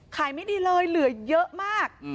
ไม่ดีเลยเหลือเยอะมาก